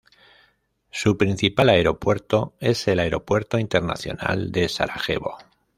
Su principal aeropuerto es el Aeropuerto Internacional de Sarajevo.